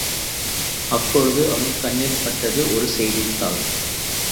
அப்பொழுது அவன் கண்ணில் பட்டது ஒரு செய்தித்தாள்.